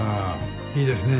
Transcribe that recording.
いいですね。